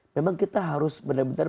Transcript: memang kita harus benar benar